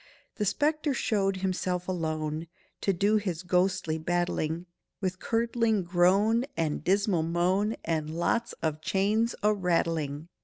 The spectre showed himself, alone, To do his ghostly battling, With curdling groan and dismal moan, And lots of chains a rattling!